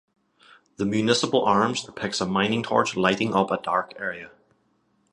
The municipal arms depicts a mining torch lighting up a dark area.